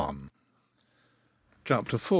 CHAPTER IV.